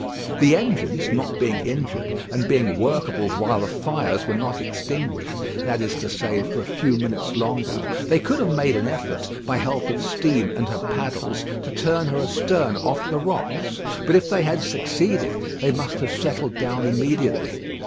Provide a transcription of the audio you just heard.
The engines not being injured, and being workable while the fires were not extinguished, that is to say, for a few minutes longer, they could have made an effort, by help of steam and her paddles, to turn her astern off the rocks; but if they had succeeded, they must have settled down immediately.